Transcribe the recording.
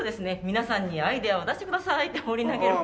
皆さんにアイデアを出してくださいって放り投げる。